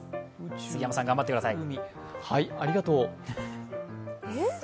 杉山さん、頑張ってください。